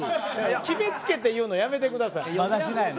決めつけて言うのやめてください。